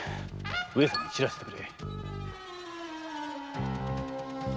上様に報せてくれ。